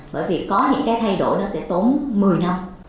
bởi vì có những cái thay đổi nó sẽ tốn một mươi năm